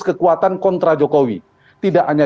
kekuatan kontra jokowi tidak hanya